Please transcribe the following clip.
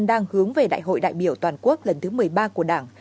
đang hướng về đại hội đại biểu toàn quốc lần thứ một mươi ba của đảng